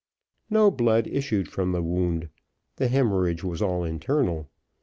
No blood issued from the wound the hemorrhage was all internal.